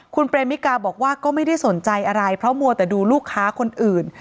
คุณเปรมมิกาบอกว่าก็ไม่ได้สนใจอะไรเพราะมัวแต่ดูลูกค้าคนอื่น